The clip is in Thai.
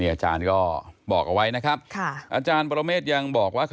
อาจารย์ก็บอกเอาไว้นะครับอาจารย์ปรเมฆยังบอกว่า